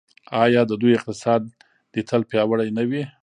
آیا د دوی اقتصاد دې تل پیاوړی نه وي؟